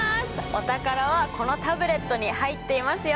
お宝はこのタブレットに入っていますよ！